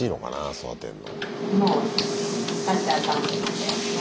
育てんの。